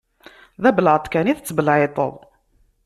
D abelεeṭ kan i tettbelεiṭed.